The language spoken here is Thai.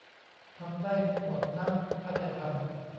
ทำได้หมดนะถ้าจะทำ